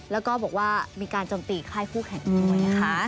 แล้วก็บอกว่ามีการจมตีค่ายคู่แข่งด้วยนะคะ